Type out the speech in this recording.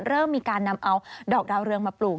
เริ่มมีการนำเอาดอกดาวเรืองมาปลูก